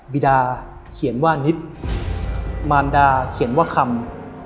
บีดาเขียนว่านิดมารดาเขียนว่าคำ